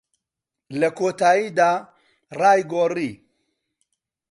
لە کۆتاییدا، ڕای گۆڕی.